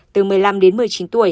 từ một mươi năm đến một mươi chín tuổi